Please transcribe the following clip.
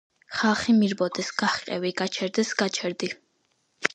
ხალხი მირბოდეს - გაჰყევი, გაჩერდეს - გაჩერდი